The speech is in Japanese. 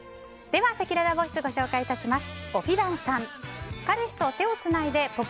では、せきららボイスご紹介いたします。